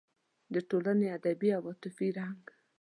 د ټولنې ادبي او عاطفي رنګ